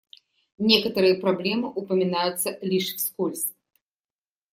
Некоторые проблемы упоминаются лишь вскользь.